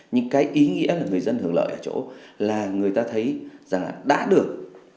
nhưng cái ý nghĩa là người dân hưởng lợi ở chỗ là người ta thấy rằng là đã được